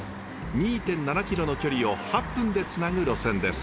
２．７キロの距離を８分でつなぐ路線です。